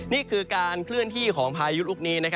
นี่คือการเคลื่อนที่ของพายุลูกนี้